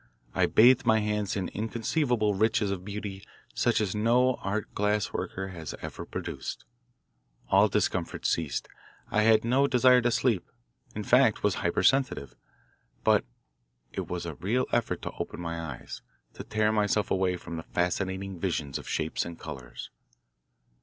I bathed my hands in inconceivable riches of beauty such as no art glass worker has ever produced. All discomfort ceased. I had no desire to sleep in fact, was hyper sensitive. But it was a real effort to open my eyes; to tear myself away from the fascinating visions of shapes and colours.